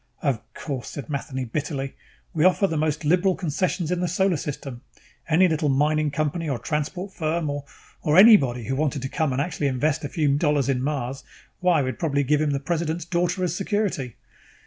"Of course," said Matheny bitterly. "We offer the most liberal concessions in the Solar System. Any little mining company or transport firm or or anybody who wanted to come and actually invest a few dollars in Mars why, we'd probably give him the President's daughter as security.